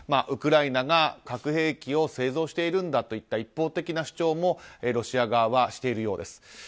ウクライナが核兵器を製造しているんだといった一方的な主張もロシア側はしているそうです。